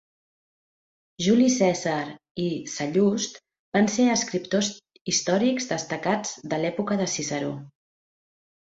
Juli Cèsar i Sallust van ser escriptors històrics destacats de l'època de Ciceró.